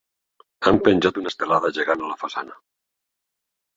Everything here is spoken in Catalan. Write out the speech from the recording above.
Han penjat una estelada gegant a la façana.